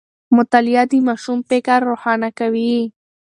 مطالعه د ماشوم فکر روښانه کوي.